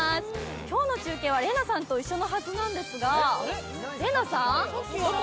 今日の中継は麗菜さんと一緒のはずなんですが麗菜さん、どこ？